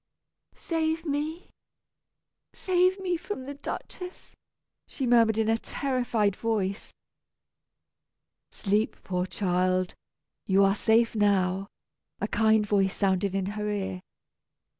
"Save me, save me from the Duchess!" she murmured in a terrified voice. "Sleep, poor child, you are safe now," a kind voice sounded in her ear.